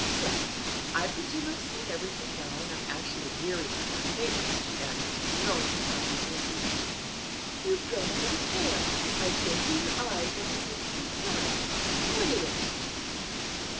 Well, I presume I've seen everything now, and I'm actually weary with my labors," she added, throwing herself into an easy chair. "You've grown a little pale, I think, and your eyes look as if you'd been crying. What ails you?"